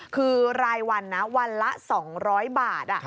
คือรายวันนะวันละ๒๐๐บาท